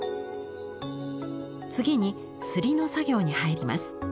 次に刷りの作業に入ります。